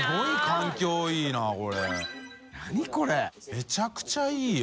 めちゃくちゃいいよ。